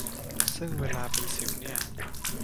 ซึ่งเวลาเป็นสิวเนี่ย